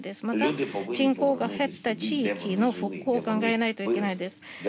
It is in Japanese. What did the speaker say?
また、人口が減った地域の復興を考えないといけないです。